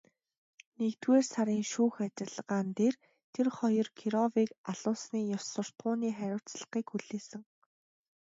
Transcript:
Нэгдүгээр сарын шүүх ажиллагаан дээр тэр хоёр Кировыг алуулсны ёс суртахууны хариуцлагыг хүлээсэн.